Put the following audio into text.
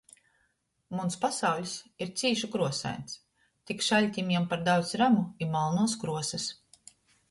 Muns pasauļs ir cīši kruosains, tik šaļtim jam par daudz ramu i malnuos kruosys.